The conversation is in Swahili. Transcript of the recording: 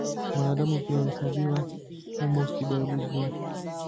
Mwanadamu pia huhesabiwa humo kibiolojia.